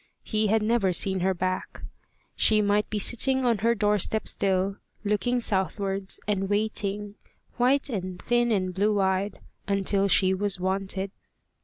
He had never seen her back. She might be sitting on her doorstep still, looking southwards, and waiting, white and thin and blue eyed, until she was wanted.